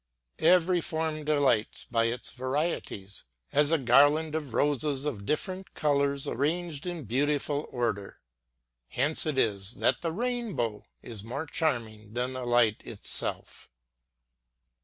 Every form delights by its varieties ŌĆö as a garland of roses of different colors arranged in beautiful order. Hence it is that the rainbow is more charm ing than the light itself.